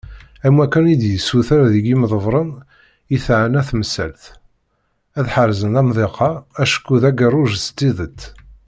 Am wakken i d-yessuter deg yimḍebbren i teεna temsalt, ad ḥerzen amḍiq-a, acku d agerruj s tidet.